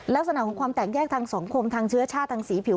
ลักษณะของความแตกแยกทางสังคมทางเชื้อชาติทางสีผิว